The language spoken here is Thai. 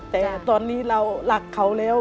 แต่ตอนนี้เรารักเขาแล้ว